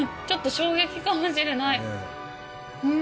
ちょっと衝撃かもしれない！